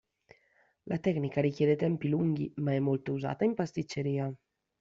La tecnica richiede tempi lunghi, ma è molto usata in pasticceria.